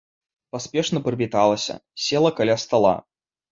Паспешна прывіталася, села каля стала.